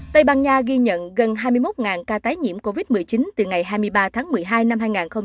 tây ban nha ghi nhận gần hai mươi một ca tái nhiễm covid một mươi chín từ ngày hai mươi ba tháng một mươi hai năm hai nghìn hai mươi